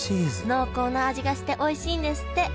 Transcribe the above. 濃厚な味がしておいしいんですって